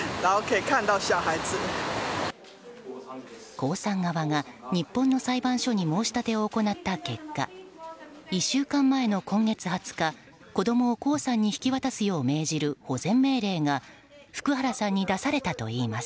江さん側が日本の裁判所に申し立てを行った結果１週間前の今月２０日子供を江さんに引き渡すよう命じる、保全命令が福原さんに出されたといいます。